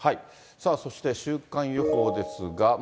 そして週間予報ですが。